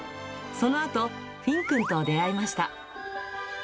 そのあと、フィンくんと出会いました。